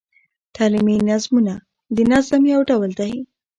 تعلیمي نظمونه د نظم یو ډول دﺉ.